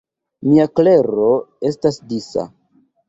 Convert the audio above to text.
Mia klero estas disa.